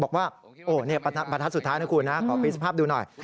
บอกว่านี่บรรทัดสุดท้ายนะคุณขอพริกภาพดูหน่อย